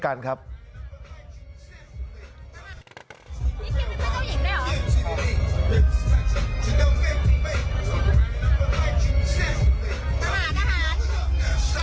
การแต่งตัว